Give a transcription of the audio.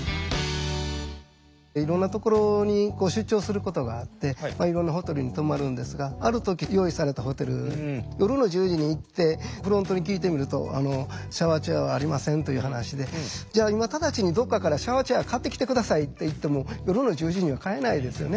いろんなところに出張することがあっていろんなホテルに泊まるんですがある時用意されたホテル夜の１０時に行ってフロントに聞いてみるとシャワーチェアはありませんという話でじゃあ今直ちにどっかからシャワーチェア買ってきて下さいと言っても夜の１０時には買えないですよね。